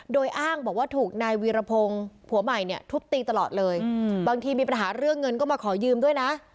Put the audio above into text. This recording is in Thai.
โดยอ้างบอกว่าถูกนายวีรพงศ์ผัวใหม่เนี่ยทุบตีตลอดเลยบางทีมีปัญหาเรื่องเงินก็มาขอยืมด้วยนะ